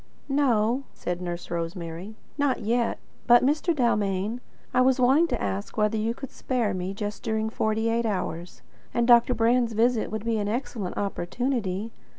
"No," said Nurse Rosemary, "not yet. But, Mr. Dalmain, I was wanting to ask whether you could spare me just during forty eight hours; and Dr. Brand's visit would be an excellent opportunity.